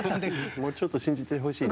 もうちょっと信じてほしいな。